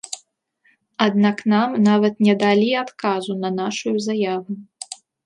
Аднак нам нават не далі адказу на нашую заяву.